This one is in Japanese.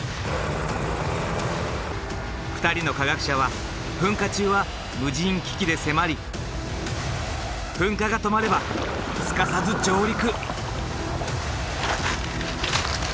２人の科学者は噴火中は無人機器で迫り噴火が止まればすかさず上陸。